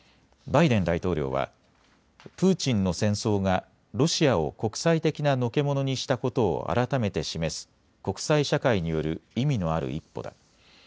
バイデン大統領はプーチンの戦争がロシアを国際的なのけ者にしたことを改めて示す国際社会による意味のある一歩だ。